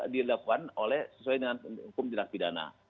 dilakukan sesuai dengan hukum jerat pidana